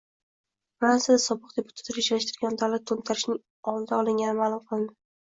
Fransiyada sobiq deputat rejalashtirgan davlat to‘ntarishining oldi olingani ma’lum qilindi